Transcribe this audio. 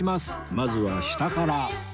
まずは下から